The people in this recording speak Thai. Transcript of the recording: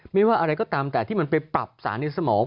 ไม่ว่าอะไรก็ตามแต่ที่มันไปปรับสารในสมอง